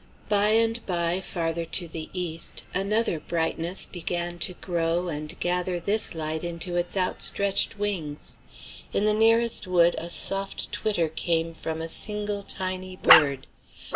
By and by, farther to the east, another brightness began to grow and gather this light into its outstretched wings. In the nearest wood a soft twitter came from a single tiny bird.